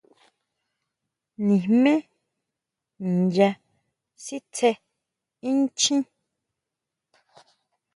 Nijmé nya sitsé inchjín.